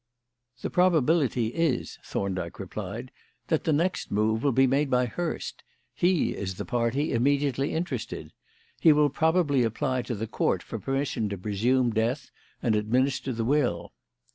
"The probability is," Thorndyke replied, "that the next move will be made by Hurst. He is the party immediately interested. He will probably apply to the Court for permission to presume death and administer the will."